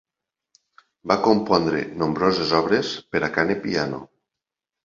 Va compondre nombroses obres per a cant i piano.